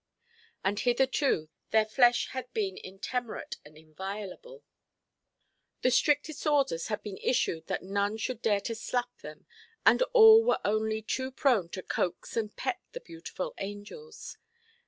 And hitherto their flesh had been intemerate and inviolable; the strictest orders had been issued that none should dare to slap them, and all were only too prone to coax and pet the beautiful angels.